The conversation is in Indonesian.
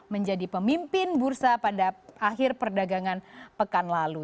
menjadi pemimpin bursa pada akhir perdagangan pekan lalu